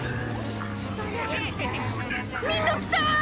みんな来た！